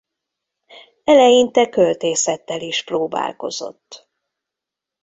Eleinte költészettel is próbálkozott.